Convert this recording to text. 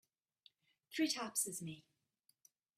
Three taps is me.